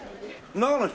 長野の人。